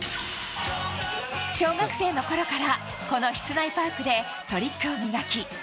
小学生のころからこの室内パークでトリックを磨き